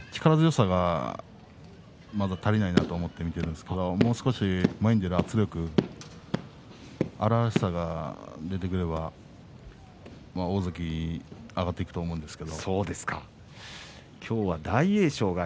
まだ力強さが足りないなと思って見ているんですけど、もう少し前に出る圧力、荒々しさが出てくれば大関に上がっていくと思うんですが。